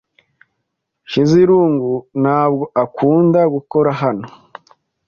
Nshizirungu ntabwo akunda gukora hano.